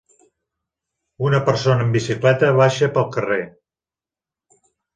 Una persona en bicicleta baixa pel carrer.